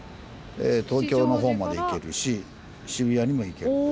東京の方まで行けるし渋谷にも行けるので。